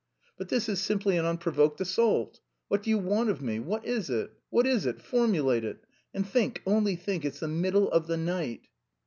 "But this is simply an unprovoked assault! What do you want of me, what is it, what is it, formulate it? And think, only think, it's the middle of the night!"